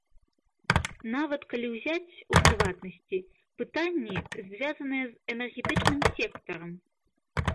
Нават калі ўзяць, у прыватнасці, пытанні, звязаныя з энергетычным сектарам.